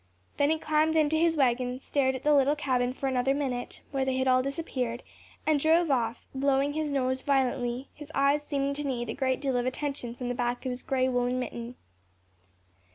Then he climbed into his wagon, stared at the little cabin for another minute, where they had all disappeared, and drove off, blowing his nose violently, his eyes seeming to need a great deal of attention from the back of his gray woollen mitten.